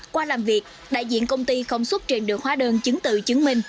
qua làm việc đại diện công ty không xuất trình được hóa đơn chứng tự chứng minh